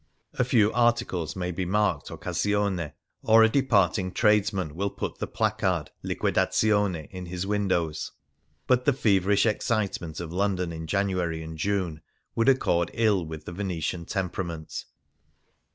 A few articles may be marked Occasione, or a departing tradesman will put the placard Liquedazione in his windows ; but the feverish excitement of London in January and June would accord ill with the Venetian temperament.